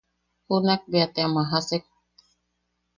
Junak bea te am jajasek.